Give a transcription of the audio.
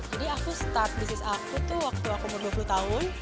jadi aku start bisnis aku tuh waktu aku berumur dua puluh tahun